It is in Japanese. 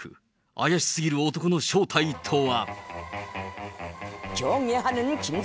怪しすぎる男の正体とは。